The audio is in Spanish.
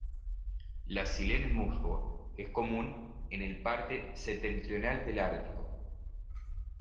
La "Silene musgo" es común en el parte septentrional del ártico.